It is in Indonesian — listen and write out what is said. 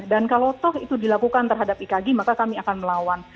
dan kalau toh itu dilakukan terhadap ikagi maka kami akan melawan